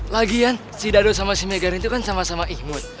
lagian si dado sama se megan itu kan sama sama imut